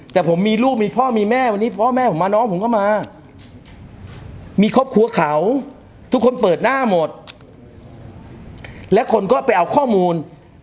แต่ผมมีลูกมีพ่อมีแม่วันนี้พ่อแม่ผมมาน้องผมก็มามีครอบครัวเขาทุกคนเปิดหน้าหมดและคนก็ไปเอาข้อมูล